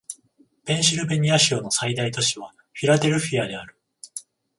ペンシルベニア州の最大都市はフィラデルフィアである